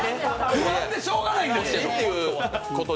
不安でしょうがないんですよ。